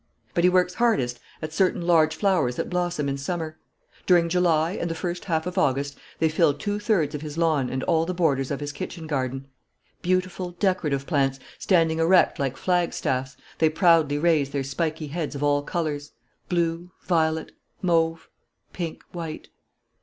But he works hardest at certain large flowers that blossom in summer. During July and the first half of August they fill two thirds of his lawn and all the borders of his kitchen garden. Beautiful, decorative plants, standing erect like flag staffs, they proudly raise their spiky heads of all colours: blue, violet, mauve, pink, white.